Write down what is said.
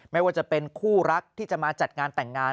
ไม่ว่าจะเป็นคู่รักที่จะมาจัดงานแต่งงาน